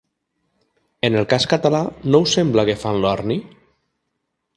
En el cas català no us sembla que fan l’orni?